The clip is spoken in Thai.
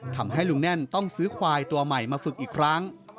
ทำให้ลุงแน่นต้องซื้อควายตัวใหม่มาฝึกอีกครั้ง